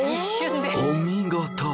お見事。